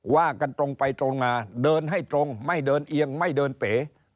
ว่ากันตรงไปตรงมาเดินให้ตรงไม่เดินเอียงไม่เดินเป๋